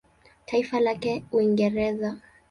Taifa lake Uingereza.